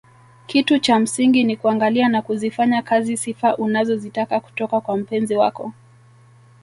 Kitu cha msingi ni kuangalia na kuzifanyia kazi sifa unazozitaka kutoka kwa mpenzi wako